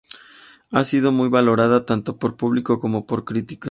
Ha sido muy valorada tanto por el público como por la crítica.